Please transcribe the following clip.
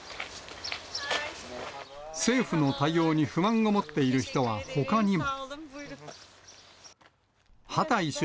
政府の対応に不満を持っている人はほかにも。